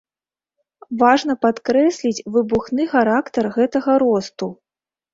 Важна падкрэсліць выбухны характар гэтага росту.